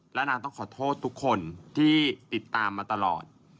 และนางต้องขอโทษทุกคนที่ติดตามมาตลอด